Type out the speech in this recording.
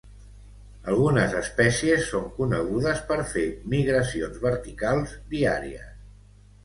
Algunes espècies són conegudes per fer migracions verticals diàries.